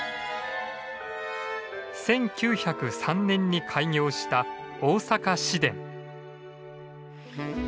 １９０３年に開業した大阪市電。